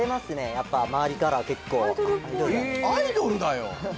やっぱ周りからは結構アイドルだよ